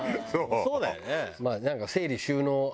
そうだよね。